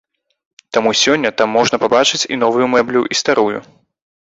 Таму сёння там можна пабачыць і новую мэблю, і старую.